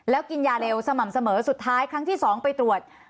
แล้วกินยาเร็วสม่ำเสมอสุดท้ายครั้งที่๒ไปตรวจ